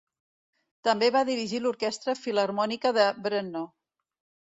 També va dirigir l'orquestra filharmònica de Brno.